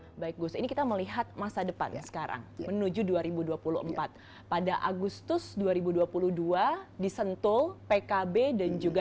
hai baik gus ini kita melihat masa depan sekarang menuju dua ribu dua puluh empat pada agustus dua ribu dua puluh dua disentuh pkb dan juga